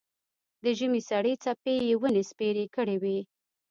د ژمي سړې څپې یې ونې سپېرې کړې وې.